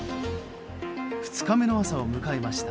２日目の朝を迎えました。